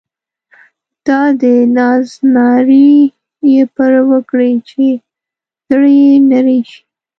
دا د ناز نارې یې پر وکړې چې زړه یې نری شي.